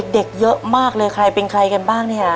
เด็กเยอะมากเลยใครเป็นใครกันบ้างเนี่ยฮะ